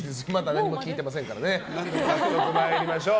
早速、参りましょう。